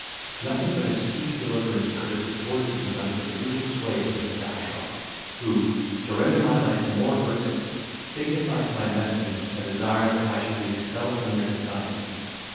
Nothing but a speedy deliverance could have supported me under the brutal sway of this bashaw, who, to render my life more irksome, signified to my messmates a desire that I should be expelled from their society.